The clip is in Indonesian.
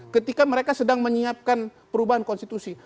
ketika mereka sedang menyiapkan perubahan konstitusi